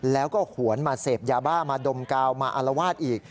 แล้วก็หวนมาเสพยาบ้ามาดมกาวมาอารวาสอีก